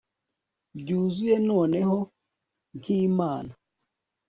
Byuzuye noneho nkimana